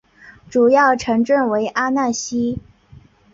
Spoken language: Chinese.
主要城镇为阿讷西。